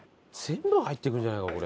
全部入ってくるんじゃないか？